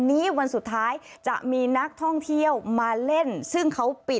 มีเล่นกัน๒วันเท่านั้นเอง๑๒ก็คือโมงวันนี้๑๓คือวันนี้